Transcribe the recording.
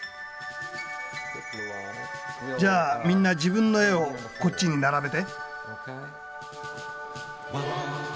じゃあみんな自分の絵をこっちに並べて。